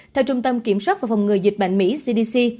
theo trung tâm kiểm soát và phòng ngừa dịch bệnh mỹ cdc